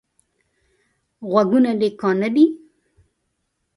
غوږونه دي کاڼه دي؟